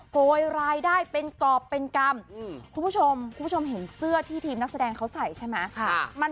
โกยรายได้เป็นกรอบเป็นกรรมคุณผู้ชมคุณผู้ชมเห็นเสื้อที่ทีมนักแสดงเขาใส่ใช่ไหม